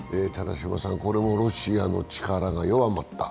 これもロシアの力が弱まった。